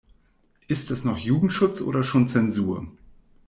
Ist das noch Jugendschutz oder schon Zensur?